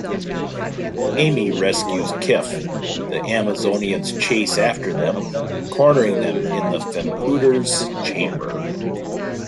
Amy rescues Kif; the Amazonians chase after them, cornering them in the Femputer's chamber.